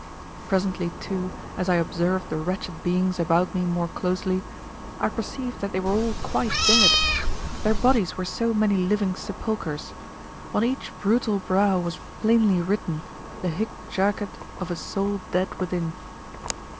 Presently, too, as I observed the wretched beings about me more closely, I perceived that they were all quite dead. Their bodies were so many living sepulchres. On each brutal brow was plainly written the hic jacet of a soul dead within.